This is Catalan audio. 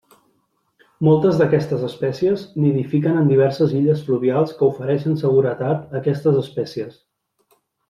Moltes d'aquestes espècies nidifiquen en diverses illes fluvials que ofereixen seguretat a aquestes espècies.